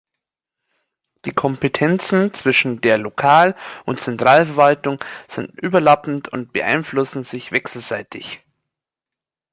Die Kompetenzen zwischen der Lokal- und Zentralverwaltung sind überlappend und beeinflussen sich wechselseitig.